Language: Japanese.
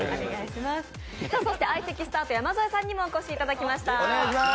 そして相席スタート、山添さんにもお越しいただきました。